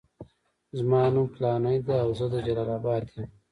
زما نوم فلانی دی او زه د جلال اباد یم.